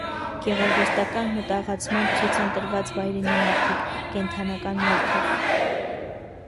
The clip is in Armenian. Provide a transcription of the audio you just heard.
Գեղարվեստական մտահղացմամբ ցույց են տրված վայրենի մարդիկ՝ կենդանական մորթով։